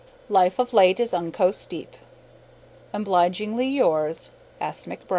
Life of late is unco steep. Obligingly yours, S. McB.